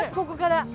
ここから。